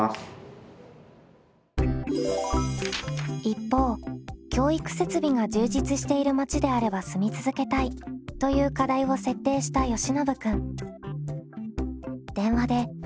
一方「教育設備が充実している町であれば住み続けたい」という課題を設定したよしのぶ君。